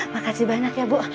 makasih banyak ya bu